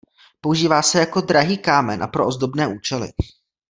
Používá se jako drahý kámen a pro ozdobné účely.